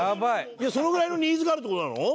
そのぐらいのニーズがあるって事なの？